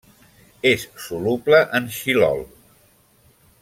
És soluble en xilol.